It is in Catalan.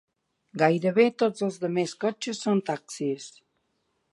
Gairebé tots els demés cotxes són taxis.